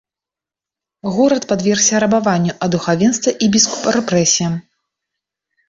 Горад падвергся рабаванню, а духавенства і біскуп рэпрэсіям.